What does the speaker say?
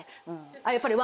あっやっぱり「わ」